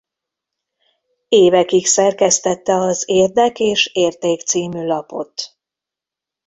Évekig szerkesztette az Érdek és Érték c. lapot.